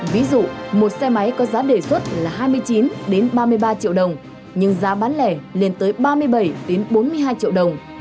ví dụ một xe máy có giá đề xuất là hai mươi chín ba mươi ba triệu đồng nhưng giá bán lẻ lên tới ba mươi bảy bốn mươi hai triệu đồng